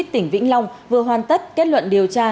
tỉnh vĩnh long vừa hoàn tất kết luận điều tra